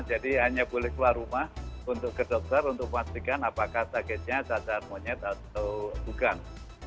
jadi hanya boleh keluar rumah untuk ke dokter untuk pastikan apakah sakitnya cacar monyet atau bukan